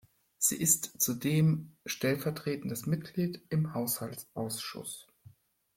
Sie ist zudem stellvertretendes Mitglied im Haushaltsausschuss.